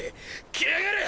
来やがれ！